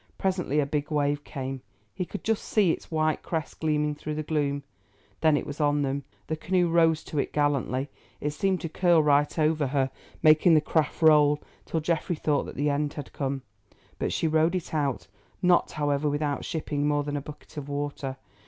Presently a big wave came; he could just see its white crest gleaming through the gloom, then it was on them. The canoe rose to it gallantly; it seemed to curl right over her, making the craft roll till Geoffrey thought that the end had come. But she rode it out, not, however, without shipping more than a bucket of water.